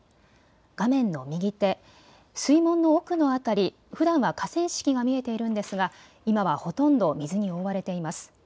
画面の右手、水門の奥の辺り、ふだんは河川敷が見えているんですが今はほとんど水に覆われています。